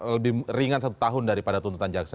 lebih ringan satu tahun daripada tuntutan jaksa